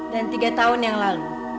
dan tiga tahun yang lalu